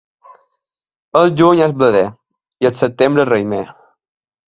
El juny és blader i el setembre raïmer.